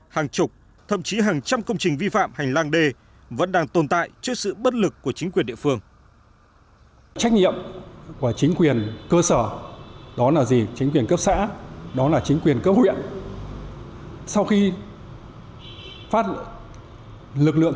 hàng chục thậm chí hàng trăm công trình vi phạm hành lang đê vẫn đang tồn tại trước sự bất lực của chính quyền địa phương